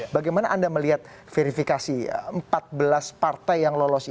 bagaimana anda melihat verifikasi empat belas partai yang lolos ini